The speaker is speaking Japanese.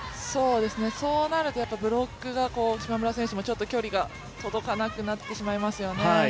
そうなると、ブロックが島村選手も距離が届かなくなってしまいますよね。